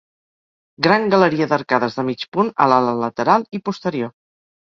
Gran galeria d'arcades de mig punt a l'ala lateral i posterior.